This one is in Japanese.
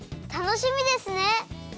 たのしみですね！